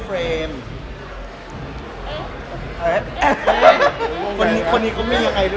ขอบคุณค่ะคนนี้ชื่อใคร